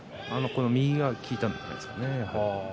この右が効いたんじゃないですかね。